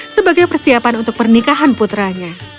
sebagai persiapan untuk pernikahan putranya